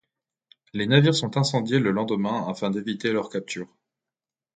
Les navires sont incendiés le lendemain afin d'éviter leur capture.